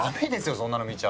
そんなの見ちゃ！